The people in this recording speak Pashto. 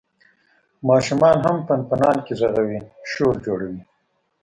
ماشومان هم پنپنانکي غږوي، شور جوړ دی.